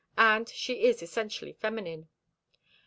And she is essentially feminine.